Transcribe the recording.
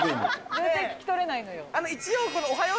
全然聞き取れないのよ。